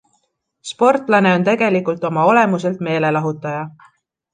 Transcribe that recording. Sportlane on tegelikult oma olemuselt meelelahutaja.